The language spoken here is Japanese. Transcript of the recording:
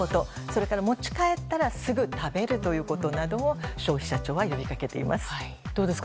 それから、持ち帰ったらすぐ食べるということなどを消費者庁は呼び掛けています。